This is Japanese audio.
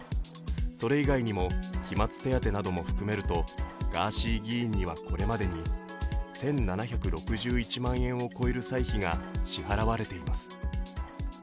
それ以外にも、期末手当なども含めるとガーシー議員にはこれまでに１７６１万円を超える歳費が支払われています。